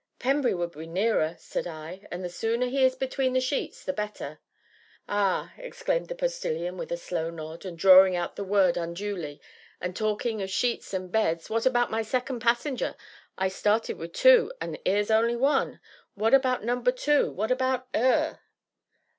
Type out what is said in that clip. "Pembry would be nearer," said I, "and the sooner he is between the sheets the better." "Ah!" exclaimed the Postilion with a slow nod, and drawing out the word unduly, "and talking o' sheets and beds what about my second passenger? I started wi' two, and 'ere's only one what about Number Two what about 'er?"